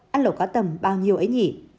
ăn lẩu cá tầm bao nhiêu ấy nhỉ